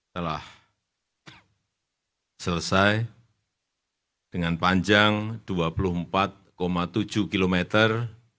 telah selesai dengan panjang dua puluh empat tujuh kilometer